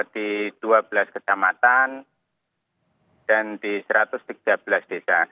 di dua belas kecamatan dan di satu ratus tiga belas desa